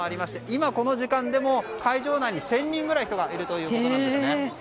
今、この時間でも会場内に１０００人ぐらい人がいるということなんですね。